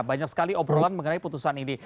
banyak sekali obrolan mengenai putusan ini